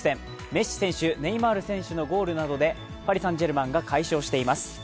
メッシ選手、ネイマール選手のゴールなどでパリ・サン＝ジェルマンが快勝しています。